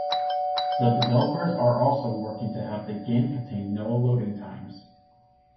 The developers are also working to have the game contain no loading times.